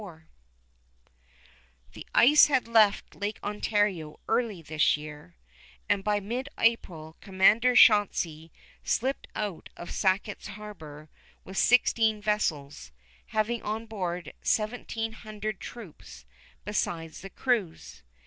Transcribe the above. [Illustration: YORK (TORONTO) HARBOR] The ice had left Lake Ontario early this year, and by mid April Commander Chauncey slipped out of Sackett's Harbor with sixteen vessels, having on board seventeen hundred troops, besides the crews.